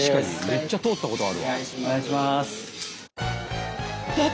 めっちゃ通ったことあるわ。